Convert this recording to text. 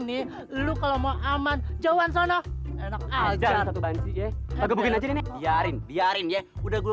ini lu kalau mau aman jauhan sono enak aja aku bantu ya agak begini biarin biarin ya udah gue